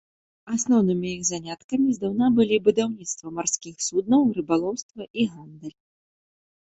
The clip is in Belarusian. Асноўнымі іх заняткамі здаўна былі будаўніцтва марскіх суднаў, рыбалоўства і гандаль.